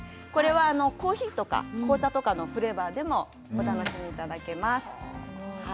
コーヒーとか紅茶のフレーバーでもお楽しみいただけます。